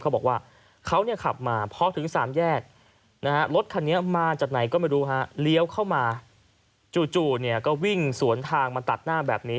เขาบอกว่าเขาเนี่ยขับมาพอถึงสามแยกนะฮะรถคันนี้มาจากไหนก็ไม่รู้ฮะเลี้ยวเข้ามาจู่ก็วิ่งสวนทางมาตัดหน้าแบบนี้